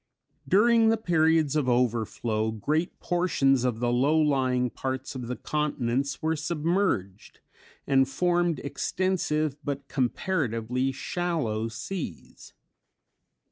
During the periods of overflow, great portions of the low lying parts of the continents were submerged, and formed extensive but comparatively shallow seas.